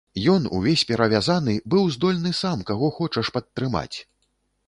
Ён, увесь перавязаны, быў здольны сам каго хочаш падтрымаць!